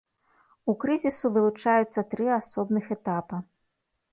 У крызісу вылучаюцца тры асобных этапа.